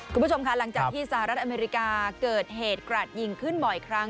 คุณผู้ชมค่ะหลังจากที่สหรัฐอเมริกาเกิดเหตุกราดยิงขึ้นบ่อยครั้ง